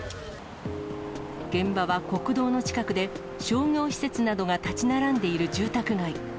現場は国道の近くで、商業施設などが建ち並んでいる住宅街。